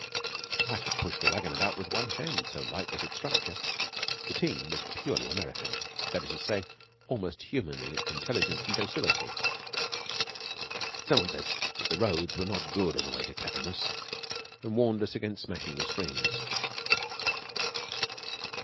I could push the wagon about with one hand, so light was its structure. The team was purely American that is to say, almost human in its intelligence and docility. Some one said that the roads were not good on the way to Clackamas, and warned us against smashing the springs.